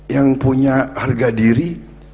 yang punya harga diri